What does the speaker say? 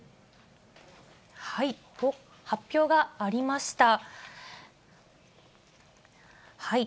発表がありました。